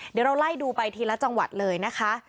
เดี๋ยวเราไล่ดูไปทีละจังหวัดเลยนะคะ